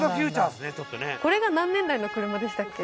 これが何年代の車でしたっけ？